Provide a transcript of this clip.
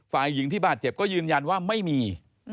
ฝ่ายหญิงที่บาดเจ็บก็ยืนยันว่าไม่มี